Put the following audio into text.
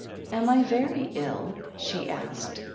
'Am I very ill?" she asked.